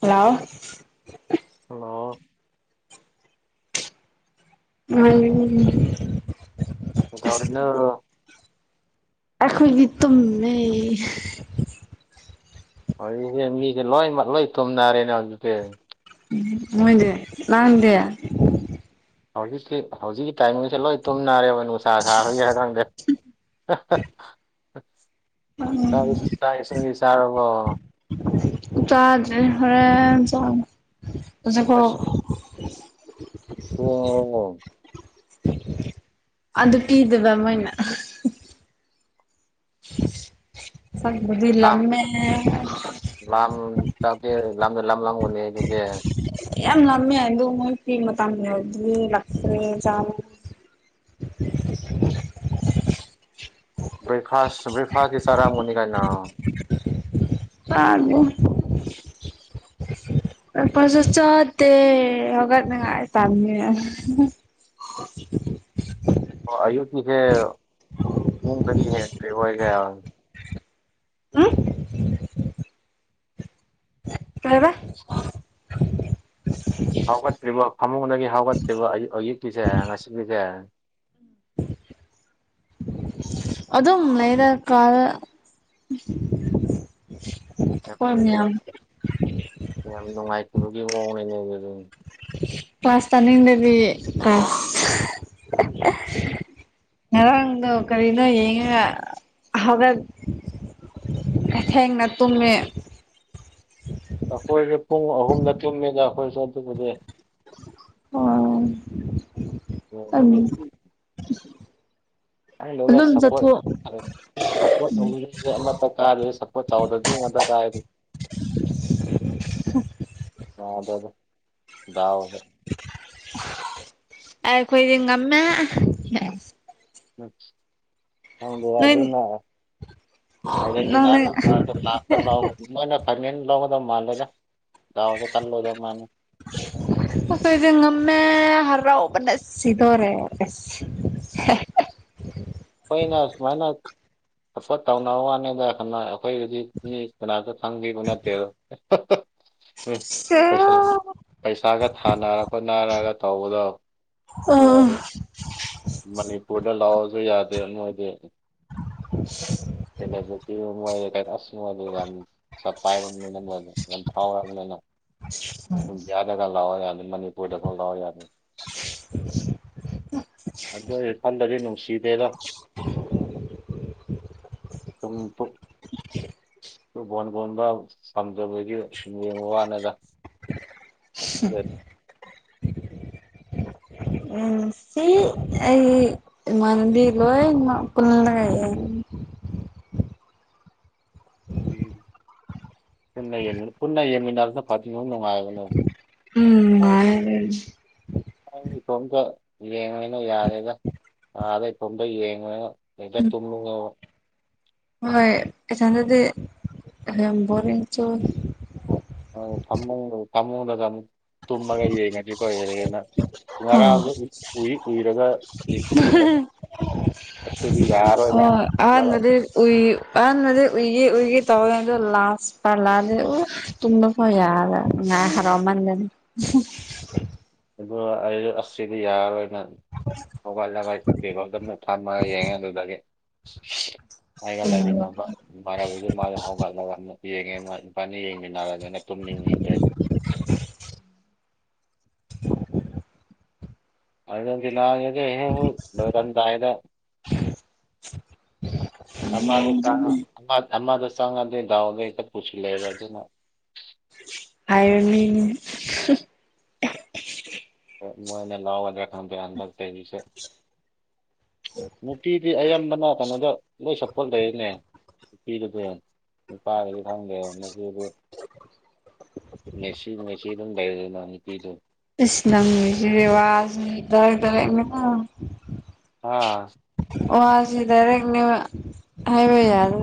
Hello hello ꯎꯝ ꯑ ꯑꯧꯔꯅ ꯑꯩꯈꯣꯏꯒꯤ ꯇꯨꯝꯃꯦ ꯍꯧꯖꯤꯛꯁꯦ ꯃꯤꯁꯦ ꯂꯣꯏꯃꯛ ꯂꯣꯏ ꯊꯨꯝꯅꯔꯦꯅ ꯍꯧꯖꯤꯛꯇꯤ ꯎ ꯍꯣꯏꯗꯦ ꯂꯅꯥꯗꯦ ꯍꯧꯖꯤꯛꯁꯤ ꯍꯧꯖꯤꯛꯀꯤ ꯇꯥꯏꯃꯤꯡꯁꯦ ꯂꯣꯏ ꯇꯨꯝꯅꯔꯦꯕ ꯅꯨꯡꯁꯥ ꯁꯥꯣꯏꯒꯦ ꯍꯥꯏꯔ ꯈꯪꯗꯦ ꯇ ꯁꯥꯏ ꯁ ꯁꯥꯔꯔꯕꯣ ꯆꯗꯔꯤ ꯍꯨꯔꯦꯜ ꯆꯥꯅꯤ ꯍꯨꯖꯤꯛ ꯐꯥꯎ [unintelligible] ꯑꯣ ꯑꯣ ꯑꯗꯨ ꯄꯤꯗꯕ ꯃꯣꯏꯅ ꯂꯥꯝ ꯁꯛꯗꯤꯂꯃꯦꯦ ꯂꯥꯝ ꯆꯥꯛꯗꯦ ꯂꯥꯝꯗ ꯂꯝ ꯂꯥꯡꯒꯅꯤꯖꯤꯁꯦ ꯌꯥꯝ ꯂꯃꯦ ꯍꯥꯏꯗꯣ ꯃꯣꯏ ꯐ꯭ꯔꯤ ꯃꯇꯝ ꯌꯥꯗꯤ ꯂꯥꯛꯈ꯭ꯔꯦ ꯆꯥ ꯕ꯭ꯔꯦꯛꯐꯥꯁ ꯕ꯭ꯔꯦꯛꯐꯥꯁꯇꯤ ꯆꯥꯔꯝꯒꯅꯤ ꯀꯩꯅꯣ ꯇꯥꫪꯕꯣ ꯄꯁ ꯆꯠꯇꯦ ꯍꯧꯒꯠ ꯅꯤꯡꯉꯥꯏ ꯇꯜꯂꯦ ꯑꯌꯨꯀꯤꯁ ꯐ ꯀꯔꯤ ꯐꯦꯔꯏꯒ ꯑ ꯀꯔꯕ ꯍꯧꯒꯠꯇ꯭ꯔꯤꯕ ꯐꯃꯨꯡꯗꯒꯤ ꯍꯧꯒꯠꯇ꯭ꯔꯤꯕ ꯑꯌꯨꯛ ꯑꯌꯨꯛꯀꯤꯁꯦ ꯉꯁꯤꯒꯤꯁꯦ ꯑꯗꯨ ꯑꯗꯨꯝ ꯂꯩꯔ ꯀꯥꯔ ꯌꯥꯝ ꯅꯨꯡꯉꯥꯏꯇꯕꯒꯤ ꯃꯑꯣꯡꯅꯤꯅꯦ ꯑꯗꯨꯗꯤ ꯀ꯭ꯂꯥꯁ ꯇꯥꯅꯤꯡ ꯗꯕꯤ [unintelligible] ꯉꯔꯥꯡꯗꯣ ꯀꯔꯤꯅꯣ ꯌꯦꯡꯉꯒ ꯍꯧꯒꯠ ꯊꯦꯡꯅ ꯇꯨꯝꯃꯤ ꯑꯩꯈꯣꯏꯁꯦ ꯄꯨꯡ ꯑꯍꯨꯝꯗ ꯇꯨꯝꯃꯦꯗ ꯑꯩꯈꯣꯏꯁꯨ ꯑꯗꯨꯕꯨꯗꯤ ꯑꯣ ꯌꯦꯡꯕꯒꯤ ꯎ ꯑ ꯂ ꯁꯄꯣ ꯐꯔ ꯁꯞꯄꯣꯔꯠ ꯇꯧꯅꯤꯡꯉꯁꯦ ꯑꯃꯠꯇ ꯀꯥꯏꯗꯦ ꯁꯞꯄꯣꯔꯠ ꯇꯧꯗꯕꯗꯤ ꯌꯦꯉ ꯗꯔꯀꯥꯔꯗꯤ ꯑꯗ ꯗꯥꯑꯣꯍꯦ ꯑꯈꯣꯏꯗꯤ ꯉꯃꯦ ꯑ ꯍꯪꯗ ꯅꯣꯏ ꯑꯗꯨꯅ ꯅꯪ ꯑꯔꯖꯦꯟꯇꯤꯅꯥꯅ ꯀꯥꯔ ꯂꯥꯁꯇꯇ ꯂꯧ ꯐꯥꯏꯅꯦꯜ ꯂꯧꯒꯗꯕ ꯃꯥꯜꯂꯦꯗ ꯗꯥꯎꯗ ꯀꯜꯂꯣꯏꯗꯧ ꯃꯥꯜꯂꯦ ꯣꯏ ꯉꯃꯦ ꯍꯔꯎ ꯁꯤꯙꯣ ꯔꯦ ꯑꯩꯈꯣꯏꯅ ꯁꯨꯃꯥꯏꯅ ꯁꯞꯄꯣꯔꯠ ꯇꯧꯅꯕ ꯋꯥꯅꯤꯗꯟꯅ ꯑꯩꯈꯣꯏ ꯍꯧꯖꯤꯛꯇꯤ ꯀꯅꯥꯁꯨ ꯈꯪꯕꯤꯕ ꯅꯠꯇꯦꯗ ꯑꯦ ꯄꯩꯁꯥꯒ ꯊꯥꯅꯔ ꯈꯣꯠꯅꯔꯒ ꯇꯧꯕꯗꯣ ꯍꯣꯏ ꯑ ꯃꯅꯤꯄꯨꯔꯗ ꯂꯥꯛꯑꯁꯨ ꯌꯥꯗꯦ ꯅꯣꯏꯗꯤ [unintelligible] ꯁꯨ ꯇ ꯀ ꯑꯁ ꯃ ꯌꯥꯝ ꯁ ꯄꯥꯏꯔ ꯐꯥꯎꯔꯛꯑꯔꯕꯅꯤꯅ ꯎꯝ ꯒ ꯂꯥꯛꯑꯣ ꯌꯥꯅꯤ ꯃꯅꯤꯄꯨꯔꯗ ꯂꯥꯛꯑꯣ ꯌꯥꯅꯤ [unintelligible] ꯑꯗꯨ ꯑꯩ ꯐꯜꯂꯗꯤ ꯅꯨꯡꯁꯤꯗꯦꯔꯣ ꯁꯨꯝ [inaudible] ꯑꯗꯨ ꯕꯣꯟ ꯕꯣꯟꯕ ꯄꯥꯝꯖꯕꯒꯤ ꯁꯨꯝ ꯌꯦꯡꯕ ꯋꯥꯅꯤꯗ [unintelligible] ꯎꯝ ꯁꯤ ꯑꯩ ꯏꯃꯅꯕꯤ ꯂꯣꯏꯃꯛ ꯄꯨꯜꯂꯦ ꯎꯝ ꯄꯨꯟꯅ ꯌꯦꯃꯤ ꯄꯨꯟꯅ ꯌꯦꯃꯤꯅꯔꯗ ꯐ ꯁꯨꯝ ꯅꯨꯡꯉꯥꯏ ꯎꯝ ꯉꯥꯏꯔ ꯑꯩ ꯏꯇꯣꯝꯗ ꯌꯦꯡꯉꯅꯣ ꯌꯥꯔꯦꯗ ꯑꯥꯗ ꯏꯇꯣꯝꯗ ꯌꯦꯡꯉꯣꯏꯅꯣ ꯂꯩꯗ ꯇꯨꯝꯂꯛꯑꯣ ꯍꯣꯏ ꯑꯦꯊꯟꯗꯗꯤ ꯌꯥꯝ ꯕꯣꯔꯤꯡ ꯆꯣ ꯐꯃꯨꯡꯗ ꯐꯃꯨꯡꯗꯗ ꯑꯃꯨꯛ ꯇꯨꯝꯃꯒ ꯌꯦꯡꯅꯗ꯭ꯔꯤꯀꯣꯗꯗꯒꯤ ꯑꯩꯅ ꯑꯣ ꯉꯔꯥꯡꯗ ꯎꯏ ꯎꯏꯔꯒ ꯌꯦ ꯌꯦꯡꯈ꯭ꯔꯦꯒ ꯑꯣ ꯑꯗꯤ ꯎꯏ ꯑꯃꯗꯤ ꯎꯏꯒꯦ ꯎꯏꯒꯦ ꯇꯧꯔꯤꯉꯥꯏꯗ ꯂꯥꯁ ꯄꯂꯗꯦ ꯇꯨꯝꯅ ꯐ ꯌꯥꯔ ꯉ ꯍꯔꯥꯎ ꯃꯥꯟꯗꯅꯤ ꯑꯗꯨ ꯑꯩ ꯑꯁꯤꯗꯤ ꯌꯥꯔꯣꯏꯅ [inaudible] ꯍꯧꯒꯠꯂꯒ ꯇꯦꯕꯥꯜ ꯄꯤꯕꯣ ꯑꯗꯨꯝꯅ ꯊꯝꯃꯒ ꯌꯦꯡꯉꯦ ꯑꯗꯨꯗꯒꯤ ꯑꯩꯒ ꯇꯨꯝꯕ ꯂꯩꯃꯤꯟꯅꯕ ꯏꯃꯥꯟꯅꯕꯗꯨ ꯃꯥꯁ ꯍꯧꯒꯠꯂꯒ ꯌꯦꯡꯉꯦ ꯃꯥ ꯏꯄꯥꯥꯟꯅ ꯌꯦꯡꯃꯤꯟꯅꯔꯕꯅꯤꯅ ꯇꯨꯝꯅꯤꯡꯉꯗ꯭ꯔ [inaudible] ꯑꯩꯅ ꯅꯉꯒꯍ ꯍꯔꯝꯗꯥꯏꯅ ꯑꯃꯗ ꯑꯃꯗ ꯆꯪꯉꯗꯩ ꯗꯥꯎꯗꯩ ꯍꯛꯇ ꯄꯨꯁꯤꯜꯂꯩꯔꯦ ꯑꯗꯨꯅ ꯍꯥꯏꯔꯅꯤ ꯃꯣꯏꯅꯦ ꯂꯥꯎꯑꯣꯦ ꯈꯪꯗꯗ ꯀꯁꯦ ꯅꯨꯄꯤꯗꯤ ꯑꯌꯥꯝꯕꯅ ꯀꯩꯅꯣꯗ ꯂꯣꯏ ꯁꯞꯐ ꯂꯩꯅꯦ ꯅꯨꯄꯤꯗ ꯐꯦꯟ ꯅꯨꯄꯥꯗꯗꯤ ꯈꯪꯗꯦ ꯉꯁꯤ ꯑꯗꯨ ꯉꯦꯁꯤ ꯉꯦꯁꯤ ꯑꯗꯨꯝ ꯂꯩꯔꯗꯅ ꯅꯨꯄꯤꯗꯨꯣ ꯏꯁꯁꯅ ꯔꯋꯥꯖ ꯗꯔ ꯇꯔ ꯑꯥ ꯋꯥ ꯁꯤ ꯗꯥꯏꯔꯦꯛꯅꯦ ꯍꯥꯏꯕ ꯌꯥꯔ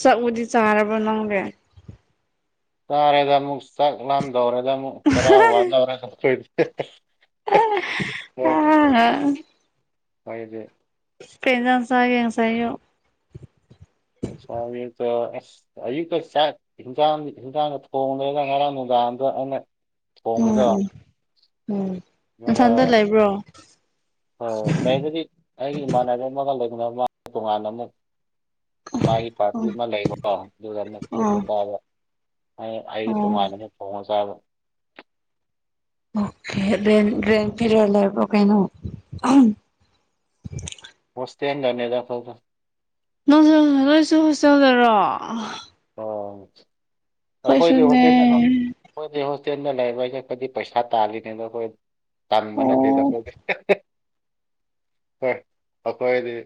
ꯆꯥꯛꯎꯗꯤ ꯆꯥꯔꯕ ꯅꯪꯒꯦ ꯆꯥꯔꯦꯗ ꯑꯃꯨꯛ ꯆꯥꯛ ꯂꯥꯝꯗꯧꯔꯦꯗ ꯑꯃꯨꯛ ꯆꯔꯥ ꯋꯥꯟꯗꯧꯔꯦꯗ ꯑꯃꯨꯛ ꯑꯣ ꯍꯁꯦ ꯐꯦꯟ ꯁꯥꯏ ꯌꯦ ꯁꯥꯏꯌꯣ ꯎꯄꯥꯏ ꯂꯇꯥ ꯑꯁ ꯑꯌꯨꯛꯇ ꯆꯥꯛ ꯍꯤꯟꯖꯥꯡ ꯍꯤꯟꯖꯥꯡꯗ ꯊꯣꯡꯗꯔꯒ ꯉꯔꯥꯡ ꯅꯨꯡꯗꯥꯡꯗꯣ ꯑꯩꯅ ꯎꯝ ꯐꯉꯗꯣ ꯎꯝ ꯕ꯭ꯔꯣ ꯑꯣ ꯏꯒꯗꯤ ꯑꯩꯒꯤ ꯏꯃꯥꯟꯅꯕ ꯑꯃꯒ ꯂꯩꯅꯅ ꯃꯥ ꯇꯣꯉꯥꯟꯅ ꯑꯃꯨꯛ ꯃꯥꯒꯤ ꯄꯥꯔꯇꯤ ꯑꯣ ꯑꯃ ꯂꯩꯀꯣ ꯑꯗꯨꯒꯅ ꯑꯣ ꯄꯨꯟꯅ ꯇꯥꯕ ꯑꯩꯒꯤ ꯑꯣ ꯇꯣꯉꯥꯟꯅꯁꯦ ꯄꯣꯡꯉ ꯆꯥꯕ ꯑꯣꯦ ꯐꯤ ꯂ ꯀꯩꯅꯣ ꯍꯣꯁꯇꯦꯅꯤꯗ ꯊꯧ ꯊꯧ ꯅꯣꯡꯖ ꯂꯣꯏꯁꯨ ꯍꯣꯁꯇꯦꯜꯗꯔꯣ ꯑꯣ ꯑꯩꯈꯣꯏꯗꯤ ꯑꯩꯈꯣꯏꯁꯨꯅꯦ ꯍꯀꯦꯗ ꯑꯩꯈꯣꯏꯗꯤ ꯍꯣꯁꯇꯦꯜꯗ ꯂꯩꯕꯩꯁꯦ ꯑꯩꯄꯣꯏꯗꯤ ꯄꯩꯁꯥ ꯇꯥꯜꯂꯤꯅꯤꯗ ꯑꯩꯈꯣꯏ ꯇꯝꯕ ꯅꯠꯇꯦꯗ ꯑꯣ ꯑꯩꯈꯣꯏꯗꯤ ꯍ ꯑꯈꯗꯤ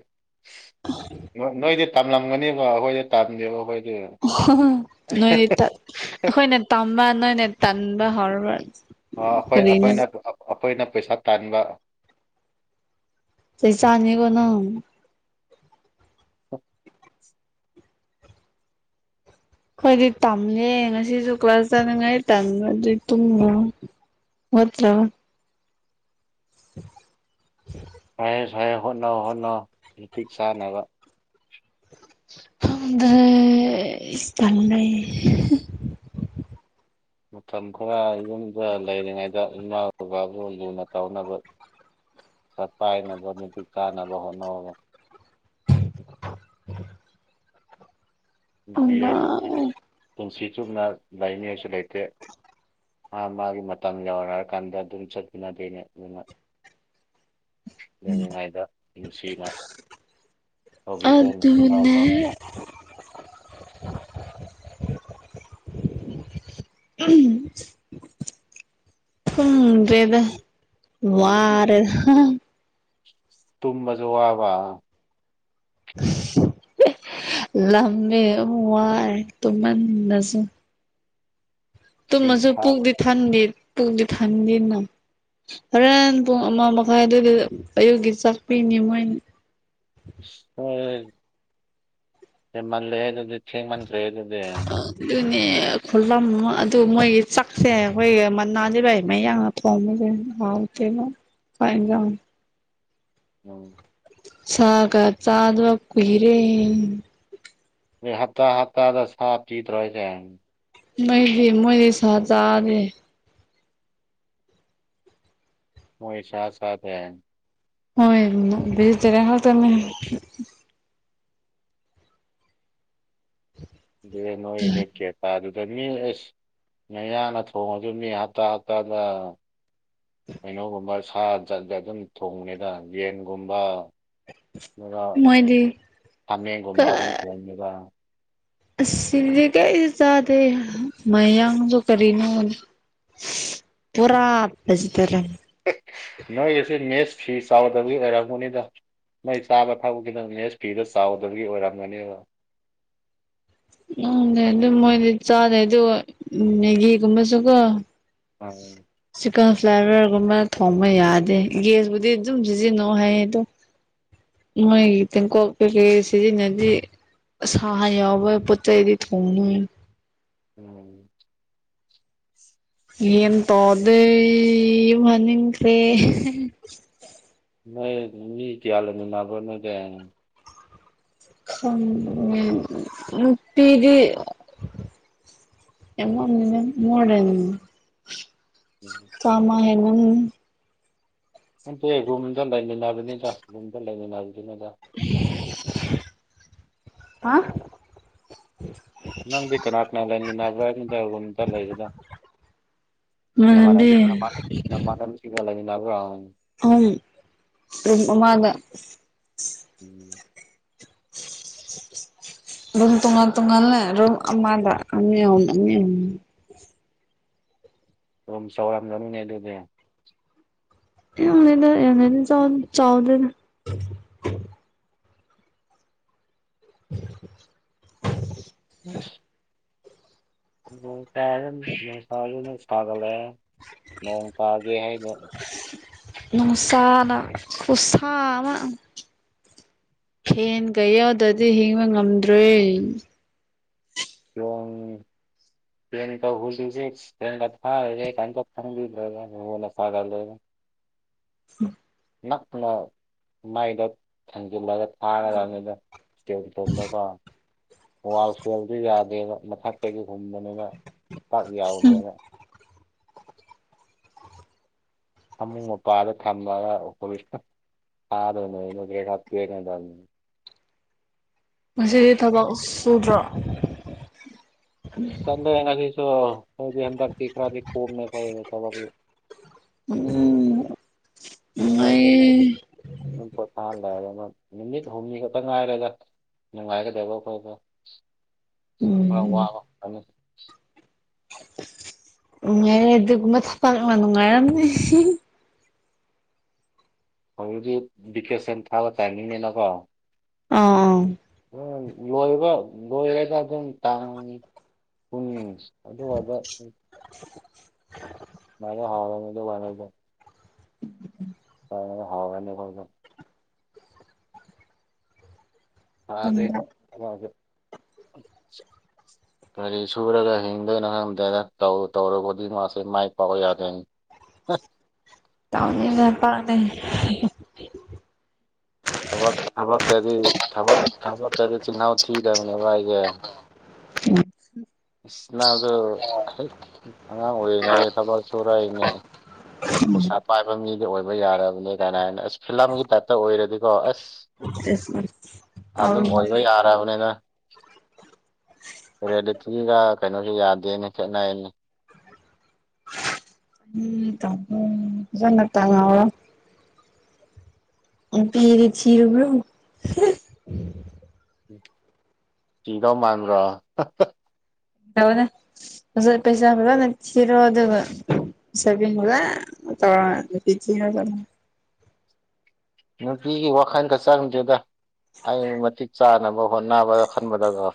ꯅꯣꯏꯗꯤ ꯇꯝꯂꯝꯒꯅꯤꯕꯣ ꯑꯩꯈꯣꯏꯗꯤ ꯇꯝꯗꯦ ꯑꯩꯈꯣꯏꯗꯤ ꯅꯣꯏꯗꯤ ꯑꯩꯈꯣꯏꯅ ꯇꯝꯕ ꯅꯣꯏꯅꯥ ꯇꯝꯕ ꯍꯧꯔꯕ ꯑ, ꯑꯩꯈꯣꯏ ꯀꯔꯤ ꯑꯩꯈꯣꯏꯅ ꯑꯩꯈꯣꯏꯅ ꯄꯩꯁꯥ ꯇꯥꯟꯕ ꯇꯩ ꯆꯅꯤꯒꯣꯅꯣ [inaudible] ꯍꯣꯏꯗꯤ ꯇꯝꯃꯦ ꯉꯁꯤꯁꯨ ꯀ꯭ꯂꯥꯁ ꯆꯥꯅꯉꯥꯏ ꯇꯝꯃ ꯑꯗꯨꯗꯤ ꯇꯨꯝꯃꯣ ꯍꯠꯇ꯭ꯔ [inaudible] ꯐꯔꯦ ꯐꯦ ꯍꯣꯠꯅꯧ ꯍꯣꯠꯅꯧ ꯃꯇꯤꯛ ꯆꯥꯅꯕ ꯍꯗ ꯆꯂ ꯂꯩ ꯃꯇꯝ ꯈꯔ ꯌꯨꯝꯗ ꯂꯩꯔꯤꯉꯩꯗ ꯏꯃꯥ ꯕꯥꯕꯥꯕꯨ ꯂꯨꯅ ꯇꯧꯅꯕ ꯄꯥꯏꯅꯕ ꯃꯇꯤꯛ ꯆꯥꯅꯕ ꯍꯣꯠꯅꯕꯔꯒ ꯅꯨꯄꯤ ꯑꯃ ꯍꯥꯏꯕꯗꯤ ꯄꯨꯟꯁꯤ ꯆꯨꯞꯅ ꯂꯥꯏꯅꯤꯡ ꯍꯥꯏꯁꯨ ꯂꯩꯇꯦ ꯃꯥ ꯃꯥꯒꯤ ꯃꯇꯝ ꯌꯧꯔꯦ ꯍꯥꯏꯔꯀꯥꯟꯗ ꯑꯗꯨꯝ ꯆꯠꯃꯤꯟꯅꯗꯣꯏꯅꯦ ꯑꯗꯨꯅ ꯂꯩꯔꯤꯉꯩꯗ ꯅꯨꯡꯁꯤꯅ ꯇꯧꯕꯤꯕ ꯑꯗꯨꯅ ꯏꯅꯥꯎꯄꯥ ꯎꯝ ꯎꯗꯦꯗ ꯍꯧꯖꯤꯛꯇꯤ ꯋꯥꯔꯦ ꯇꯨꯝꯕꯁꯨ ꯋꯥꯕ ꯂꯝꯃꯦ ꯋꯥꯏ ꯇꯨꯃꯟꯟꯅꯁꯨ ꯏꯁꯤꯡ ꯇꯨꯝꯃꯁꯨ ꯊꯥ ꯄꯨꯛꯗꯤ ꯊꯟꯕꯤ ꯄꯨꯒꯗꯤꯊꯟꯕꯤꯅ ꯍꯣꯔꯦꯟ ꯄꯨꯡ ꯑꯃ ꯃꯈꯥꯏ ꯑꯗꯨꯏꯗ ꯑꯌꯨꯛꯀꯤ ꯆꯥꯛꯄꯤꯅꯤ ꯃꯣꯏꯅ꯫ ꯍꯣꯏ ꯃꯜꯗꯗꯤ ꯊꯦꯡ ꯃꯟ꯭ꯔꯦ ꯍꯗꯗꯤꯦ ꯑꯗꯨꯅꯦ ꯈꯨꯠꯂꯝ ꯑꯗꯨ ꯃꯣꯏꯒꯤ ꯆꯥꯛꯁꯦ ꯑꯩꯈꯣꯏ ꯃꯅꯥ ꯂꯩꯕ ꯃꯌꯥ ꯊ ꯍꯥꯎꯦ ꯐꯥꯏꯖ ꯎꯝ ꯁꯥꯒ ꯆꯥꯗꯋꯥ ꯀꯨꯏꯔꯦ ꯑꯩ ꯍꯞꯇꯥ ꯍꯥꯞꯇꯥꯗ ꯁꯥ ꯄꯤꯗꯔꯤ ꯍꯥꯏꯁꯦ ꯃꯣꯏꯗꯤ ꯃꯣꯏꯗꯤ ꯁꯖꯥꯗꯦ ꯃꯣꯏ ꯁꯥ ꯁꯥ ꯍꯥꯏ ꯍꯣꯏ ꯇꯔꯉ ꯇꯝꯃꯦ ꯑꯗꯨꯦ ꯅꯣꯣꯏ ꯂꯩ ꯀꯦꯦ ꯑꯗꯨꯗ ꯃꯤ ꯑꯦꯁ ꯃꯌꯥꯅ ꯊꯣꯡꯉꯁꯨ ꯃꯤ ꯍꯞꯇꯥ ꯍꯞꯇꯥꯗ ꯀꯩꯅꯣꯒꯨꯝꯕ ꯁꯥꯠ ꯑꯗꯨꯝ ꯊꯣꯡꯅꯤꯗ ꯌꯦꯟꯒꯨꯝꯕ ꯃꯣꯏꯗꯤ ꯍꯥꯃꯦꯡꯒꯨꯝꯕ ꯑꯗꯨꯝ ꯀꯣꯡꯉꯒ ꯑꯁ ꯁꯤꯗꯗꯤ ꯀꯔꯤꯁꯨ ꯆꯥꯗꯦ ꯃꯌꯥꯡꯁꯨ ꯀꯔꯤꯅꯣ ꯄꯨꯔꯥ [unintelligible] ꯑꯦꯍ ꯅꯣꯏꯒꯤꯁꯦ ꯃꯦꯁ ꯐꯤ ꯆꯥꯎꯗꯕꯒꯤ ꯑꯣꯏꯔꯝꯒꯅꯤꯗ ꯃꯩ ꯆꯥꯕ ꯊꯛ ꯈꯤꯗꯪꯅꯦꯁ ꯐꯤꯗ ꯆꯥꯎꯗꯒꯤ ꯑꯣꯏꯔꯝꯒꯅꯦꯕ ꯎꯝ ꯑꯗꯨꯝ ꯃꯣꯏꯗꯤ ꯆꯥꯗꯩ ꯑꯗꯨ ꯃꯦꯒꯤꯒꯨꯝꯕꯁꯨꯀꯣ [unintelligible] ꯆꯤꯛꯀꯟ ꯐ꯭ꯂꯦꯚꯔꯒꯨꯝꯕ ꯊꯣꯡꯕ ꯌꯥꯗꯦ ꯒꯦꯁꯕꯨꯨꯗꯤ ꯑꯗꯨꯝ ꯁꯤꯖꯤꯟꯅꯧ ꯍꯥꯏꯌꯦ ꯑꯗꯣ ꯃꯣꯏꯒꯤ ꯇꯦꯡꯀꯣꯛ ꯀꯩꯀꯩ ꯁꯤꯖꯤꯟꯅꯗꯤ ꯁꯥ ꯌꯥꯎꯕꯩ ꯄꯣꯠ__ ꯇꯩꯗꯤ ꯊꯣꯡꯅꯨ__ [unintelligible] ꯎꯝ ꯒ꯭ꯌꯦꯟ ꯇꯥꯗꯦ ꯌꯨꯝ ꯍꯟꯅꯤꯡꯈ꯭ꯔꯦ ꯅꯣꯏ ꯑꯗꯨꯗ ꯃꯤ ꯀꯌꯥ ꯂꯩꯃꯤꯟꯅꯕꯔꯥ ꯅꯣꯏꯗꯦ ꯈꯪꯉꯦ ꯅꯨꯄꯤꯗꯤ ꯑꯩꯉꯣꯟꯗ ꯅꯪ ꯃꯣꯔꯡ ꯎꯝ ꯀꯥꯃ ꯍꯥꯏꯕꯅꯤꯅꯦ [unintelligible] [unintelligible] ꯔꯨꯝꯗ ꯂꯩꯃꯤꯟꯅꯥꯕꯅꯤꯗ ꯔꯨꯝꯗ ꯂꯩꯃꯤꯟꯅꯥꯕꯗꯨꯅꯦꯗꯥ [unintelligible] ꯍꯥꯥ ꯅꯪꯗꯤ ꯀꯅꯥꯅꯥ ꯂꯩꯃꯤꯅꯕ꯭ꯔꯥ [unintelligible] ꯔꯨꯝꯗ ꯂꯩꯕꯗꯣ ꯏꯃꯥꯟꯅꯕꯤ ꯅꯃꯥꯟꯅꯕꯤ ꯁꯤꯡꯒ ꯂꯩꯃꯤꯟꯅꯕ꯭ꯔꯥ [unintelligible] [unintelligible] ꯎꯝ [inaudible] ꯔꯨꯝ ꯇꯣꯉꯥꯜ ꯇꯣꯉꯥꯜꯂꯦ ꯔꯨꯝ ꯑꯃꯗ ꯃꯤ ꯑꯍꯨꯝ [unintelligible] ꯔꯨꯝ ꯆꯥꯎꯔꯝꯒꯅꯤꯅꯦ ꯑꯗꯨꯗꯤ [unintelligible] ꯆꯥꯎꯗꯦꯗ [unintelligible] ꯅꯣꯡ ꯇꯥꯏꯔꯥ ꯅꯨꯡ ꯅꯨꯡꯁꯥꯖꯨ ꯑꯗꯨꯝ ꯁꯥꯒꯠꯂꯛꯑꯦ ꯅꯣꯡ ꯇꯥꯒꯦ ꯍꯥꯏꯅ ꯅꯨꯡꯁꯥꯅ ꯈꯨꯁꯥ ꯑꯃ ꯐꯦꯟꯒ ꯌꯥꯎꯗꯗꯤ ꯍꯤꯡꯕ ꯉꯝꯗ꯭ꯔꯦ [unintelligible] ꯐꯦꯟꯒ [unintelligible] [unintelligible] ꯅꯛꯀꯂꯣꯏ ꯃꯥꯏꯗ ꯊꯥꯡꯖꯤꯜꯂꯒ ꯊꯥꯒꯗꯕꯅꯦꯗ ꯏꯁ꯭ꯇꯦꯟ__ [unintelligible] ꯋꯥꯜ ꯐꯦꯜꯗꯨ ꯌꯥꯗꯦꯕ ꯃꯊꯛꯇꯒꯤ ꯍꯨꯝꯕꯅꯦꯕ ꯄꯥꯛ ꯌꯥꯎꯗꯦꯕ ꯐꯃꯨꯡ ꯃꯄꯥꯗ ꯊꯝꯃꯒ [unintelligible] ꯉꯁꯤꯗꯤ ꯊꯕꯛ ꯁꯨꯗ꯭ꯔꯣ ꯆꯠꯂꯦꯍꯦ ꯉꯁꯤꯁꯨ [unintelligible] ꯍꯟꯗꯛꯇꯤ ꯈꯔꯗꯤ ꯀꯣꯝꯃꯦ [unintelligible] ꯊꯕꯛꯁꯨ [unintelligible] ꯅꯪꯅ ꯑꯗꯨꯝ ꯅꯨꯡꯉꯥꯏꯌꯦ ꯑꯗꯨꯝ ꯄꯣꯊꯥ [unintelligible] ꯅꯨꯃꯤꯠ ꯍꯨꯝꯅꯤ ꯈꯛꯇ ꯉꯥꯏꯔꯦꯗꯥ ꯅꯨꯡꯉꯥꯏꯒꯗꯕ ꯈꯣꯏꯗꯣ ꯈꯔ ꯎꯝ ꯋꯥꯕ ꯈꯛꯇꯅꯤ ꯌꯥꯔꯦ ꯑꯗꯨꯒꯨꯝꯕ ꯊꯕꯛ ꯑꯃ ꯅꯨꯡꯉꯥꯏꯔꯝꯅꯤ [unintelligible] ꯍꯧꯖꯤꯛꯇꯤ ꯚꯤꯀꯦꯁꯟ ꯊꯥꯕ ꯇꯥꯏꯃꯤꯡꯅꯤꯅꯀꯣ ꯑꯥꯡ ꯂꯣꯏꯕ ꯂꯣꯏꯦꯔꯗ ꯑꯗꯨꯝ ꯇꯥꯡ ꯄꯨ ꯑꯗꯨ ꯑꯣꯏꯕ ꯃꯥꯔ ꯍꯥꯔ ꯃꯗ ꯋꯥꯅꯗ [unintelligible] ꯍꯥꯎꯔꯅꯤ ꯑꯈꯣꯏꯁꯨ ꯗꯦ ꯑꯥ ꯑꯦ ꯀꯔꯤ ꯁꯨꯔꯒ ꯍꯤꯡꯗꯣꯏꯅꯣ ꯈꯪꯗꯅꯧ ꯇꯧꯔꯔꯕꯣꯗꯤ ꯃꯥꯁꯦ ꯃꯥꯏ ꯄꯥꯛꯄ ꯌꯥꯗꯣꯏꯅꯤ [unintelligible] ꯄꯥꯛꯅꯦ [unintelligible] ꯊꯕꯛ ꯊꯕꯛꯇꯗꯤ ꯊꯕꯛ ꯊꯕꯛꯇꯗꯤ ꯆꯤꯜꯍꯥꯎ ꯊꯤꯗꯕꯅꯦꯕ ꯑꯩꯁꯦ ꯏꯁ [unintelligible] ꯍꯩ ꯑꯉꯥꯡ ꯑꯣꯏꯔꯤꯉꯩꯗ ꯊꯕꯛ ꯁꯨꯔꯛꯏꯅꯤ ꯄꯩꯁꯥ ꯄꯥꯏꯕ ꯃꯤꯗꯤ ꯑꯣꯏꯕ ꯌꯥꯔꯕꯅꯦ [unintelligible] ꯑꯁ ꯐꯤꯂꯝꯒꯤ ꯇꯥꯏꯞꯇ ꯑꯣꯏꯔꯗꯤꯀꯣ ꯑꯁ [unintelligible] ꯑꯗꯨꯝ ꯑꯣꯏꯕ ꯇꯧꯔꯤꯁꯤꯗꯤ ꯌꯥꯔꯕꯅꯤꯗ ꯔꯤꯌꯦꯂꯤꯇꯤꯒ ꯀꯩꯅꯣꯁꯨ ꯌꯥꯗꯦꯅ ꯈꯦꯠꯅꯩꯅꯦ ꯎꯝ [unintelligible] [unintelligible] ꯄꯤꯔꯤ ꯆꯤꯔꯕ꯭ꯔꯣ ꯆꯤꯗꯧ ꯃꯥꯟꯕ꯭ꯔꯣ ꯍꯅꯦ ꯄꯩꯁꯕꯂ ꯅ ꯆꯤꯔꯣ ꯑꯗꯨꯒ [unintelligible] ꯅꯨꯄꯤꯒꯤ ꯋꯥꯈꯜ ꯈ ꯆꯪꯉꯝꯗꯦꯗ ꯑꯩ ꯃꯇꯤꯛ ꯆꯥꯅꯕ ꯍꯣꯠꯅꯕꯗ ꯈꯟꯕꯗ